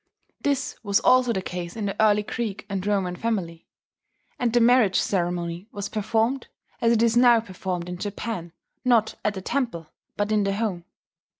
This was also the case in the early Greek and Roman family; and the marriage ceremony was performed, as it is now performed in Japan, not at a temple, but in the home.